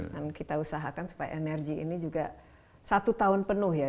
kita usahakan supaya energi ini juga satu tahun penuh ya